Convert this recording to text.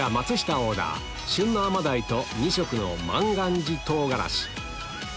オーダー旬のアマダイと２色の万願寺